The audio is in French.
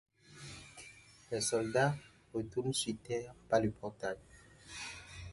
Les soldats retournent sur Terre par le portail.